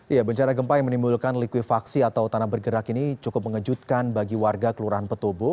ya bencana gempa yang menimbulkan likuifaksi atau tanah bergerak ini cukup mengejutkan bagi warga kelurahan petobo